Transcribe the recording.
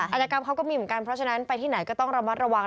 อาจกรรมเขาก็มีเหมือนกันเพราะฉะนั้นไปที่ไหนก็ต้องระมัดระวัง